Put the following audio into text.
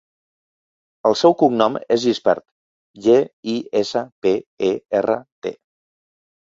El seu cognom és Gispert: ge, i, essa, pe, e, erra, te.